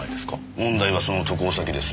問題はその渡航先です。